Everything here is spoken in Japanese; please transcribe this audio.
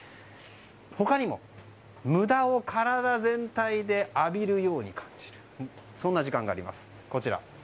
他にも、無駄を体全体で浴びるように感じるそんな時間があります。